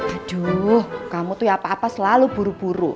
aduh kamu tuh ya apa apa selalu buru buru